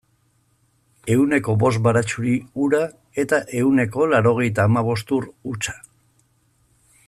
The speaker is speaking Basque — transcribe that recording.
Ehuneko bost baratxuri ura eta ehuneko laurogeita hamabost ur hutsa.